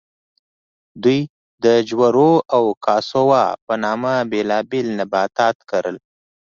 دوی د جورا او کاساوا په نامه بېلابېل نباتات کرل.